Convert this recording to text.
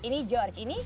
ini george ini